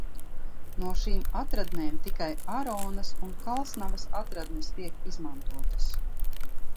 No šīm atradnēm tikai Aronas un Kalsnavas atradnes tiek izmantotas.